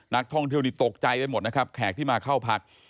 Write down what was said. นักท่องเที่ยวนี่ตกใจไปหมดนะครับแขกที่มาเข้าพัก